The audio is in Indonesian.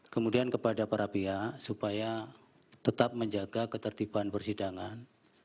kemudian kepada para pihak supaya tetap menjaga ketertiban persidangan